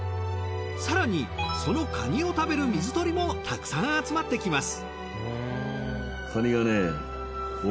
更にそのカニを食べる水鳥もたくさん集まってきます。